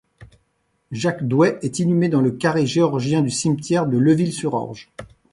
Jacques Douai est inhumé dans le carré géorgien du cimetière de Leuville-sur-Orge.